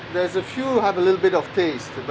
apakah itu pilihan atau mungkin hanya perasaan